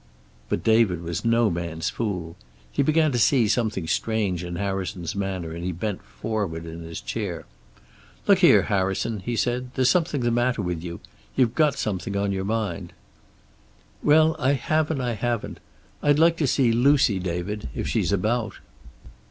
But David was no man's fool. He began to see something strange in Harrison's manner, and he bent forward in his chair. "Look here, Harrison," he said, "there's something the matter with you. You've got something on your mind." "Well, I have and I haven't. I'd like to see Lucy, David, if she's about."